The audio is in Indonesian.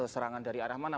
serangan dari arah mana